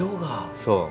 そう。